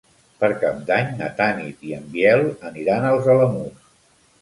Per Cap d'Any na Tanit i en Biel aniran als Alamús.